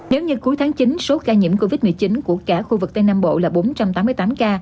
nếu như cuối tháng chín số ca nhiễm covid một mươi chín của cả khu vực tây nam bộ là bốn trăm tám mươi tám ca